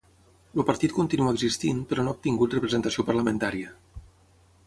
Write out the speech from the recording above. El partit continua existint però no ha obtingut representació parlamentària.